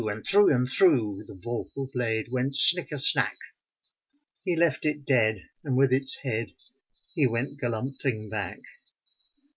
And through, and through The vorpal blade went snicker snack! He left it dead, and with its head He went galumphing back.